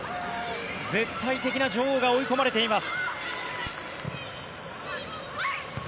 絶対的な女王が追い込まれています。